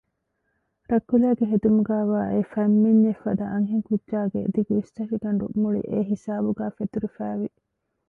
ރަތްކުލައިގެ ހެދުމުގައިވާ އެ ފަތްމިންޏެއް ފަދަ އަންހެން ކުއްޖާގެ ދިގު އިސްތަށިގަނޑު މުޅި އެ ހިސާބުގައި ފެތުރިފައިވި